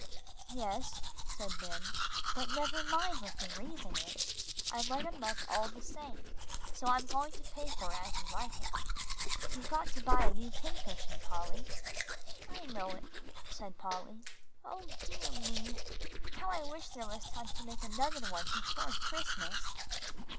"Yes," said Ben, "but never mind what the reason is; I let him up all the same, so I'm going to pay for 'As You Like It.' You've got to buy a new pincushion, Polly." "I know it," said Polly. "O dear me! How I wish there was time to make another one before Christmas."